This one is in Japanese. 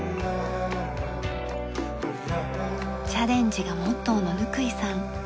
チャレンジがモットーの貫井さん。